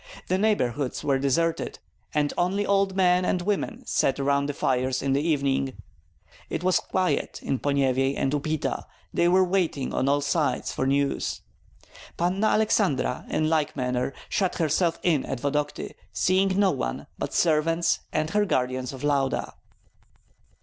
The neighborhoods were deserted, and only old men and women sat around the fires in the evening. It was quiet in Ponyevyej and Upita; they were waiting on all sides for news. Panna Aleksandra in like manner shut herself in at Vodokty, seeing no one but servants and her guardians of Lauda.